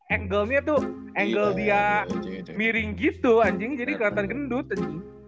angle nya tuh angle dia miring gitu anjing jadi kelihatan gendut aja